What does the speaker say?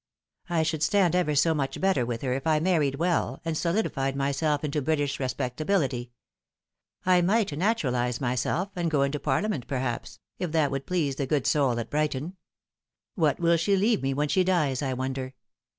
" I should stand ever so much better with her if I married well, and solidified myself into British respectability. I might naturalise myself, and go into Parliament perhaps, if that would please the good soul at Brighton. What will she leave me when she dies, I wonder